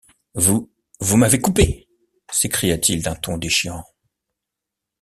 Vous... vous m’avez coupé!... s’écria-t-il d’un ton déchirant.